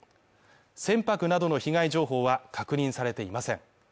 船舶などの被害情報は確認されていません。